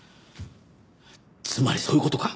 つまりそういう事か。